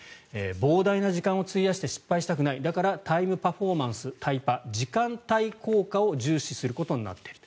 膨大な時間を費やして失敗したくないだから、タイムパフォーマンスタイパ、時間対効果を重視することになっている。